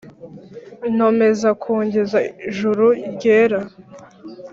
nomeza kogeza juru ryera